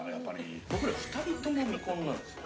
◆僕ら２人とも未婚なんですよ。